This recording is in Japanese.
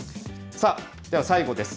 さあ、では最後です。